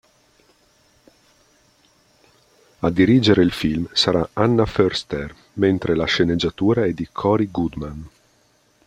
A dirigere il film sarà Anna Foerster mentre la sceneggiatura è di Cory Goodman.